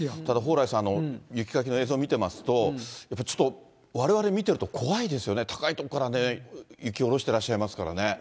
ただ蓬莱さんの雪かきの映像見てますと、やっぱちょっとわれわれ見てると怖いですよね、高い所から雪下ろしてらっしゃいますからね。